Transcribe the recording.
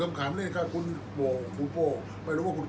อันไหนที่มันไม่จริงแล้วอาจารย์อยากพูด